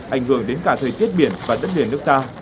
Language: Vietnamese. ảnh hưởng đến cả thời tiết biển và đất liền nước ta